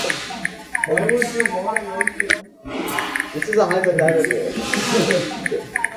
When able to get herself together for brief periods, she worked as a cleaner.